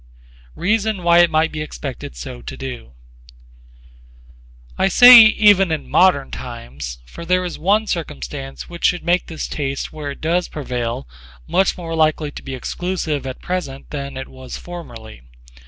Reason why it might he expected so to do I say even in modern times; for there is one circumstance which should make this taste where it does prevail much more likely to be exclusive at present than it was formerly.